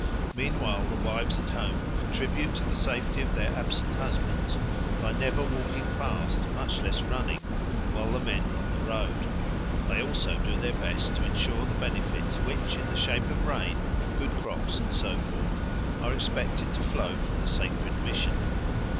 Meanwhile the wives at home contribute to the safety of their absent husbands by never walking fast, much less running, while the men are on the road. They also do their best to ensure the benefits which, in the shape of rain, good crops, and so forth, are expected to flow from the sacred mission.